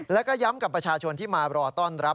แล้วก็ย้ำกับประชาชนที่มารอต้อนรับ